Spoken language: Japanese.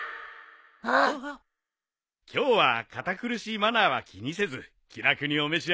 今日は堅苦しいマナーは気にせず気楽にお召し上がりください。